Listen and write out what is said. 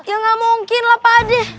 ya gak mungkin lah pak deng